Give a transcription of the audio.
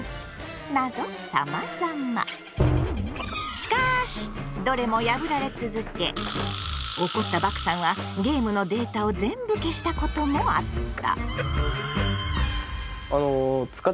しかしどれも破られ続け怒ったバクさんはゲームのデータを全部消したこともあった。